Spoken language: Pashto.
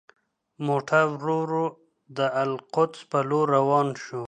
موټر ورو ورو د القدس په لور روان شو.